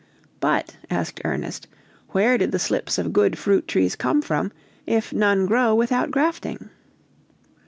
"But," asked Ernest, "where did the slips of good fruit trees come from, if none grow without grafting?"